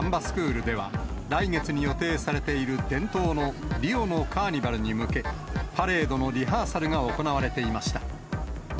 スクールでは、来月に予定されている伝統のリオのカーニバルに向け、パレードのリハーサルが行われていました。